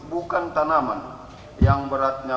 bukan tanaman yang beratnya